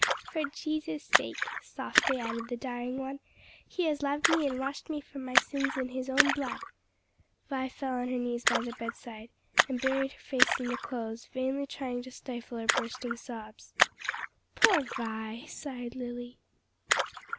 "For Jesus' sake," softly added the dying one. "He has loved me and washed me from my sins in his own blood." Vi fell on her knees by the bedside, and buried her face in the clothes, vainly trying to stifle her bursting sobs. "Poor Vi," sighed Lily.